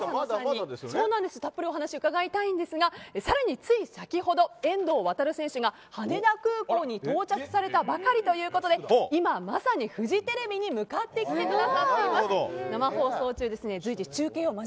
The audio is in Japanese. たっぷり、お話を伺いたいんですがさらに、つい先ほど遠藤航選手が羽田空港に到着されたばかりということで今まさにフジテレビに向かってきてくださっています。